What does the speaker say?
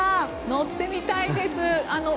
乗ってみたいです。